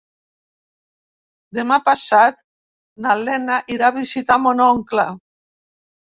Demà passat na Lena irà a visitar mon oncle.